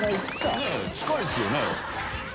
ねぇ近いですよね。